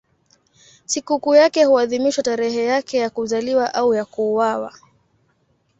Sikukuu yake huadhimishwa tarehe yake ya kuzaliwa au ya kuuawa.